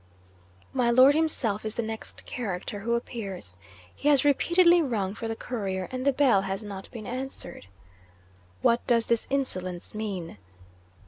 'My Lord himself is the next character who appears. He has repeatedly rung for the Courier, and the bell has not been answered. "What does this insolence mean?"